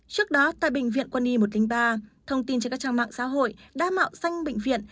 trước đó tại bệnh viện quân y một trăm linh ba thông tin trên các trang mạng xã hội đã mạo danh bệnh viện